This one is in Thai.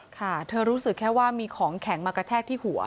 ค่ะเธอรู้สึกแค่ว่ามีของแข็งมากระแทกที่หัว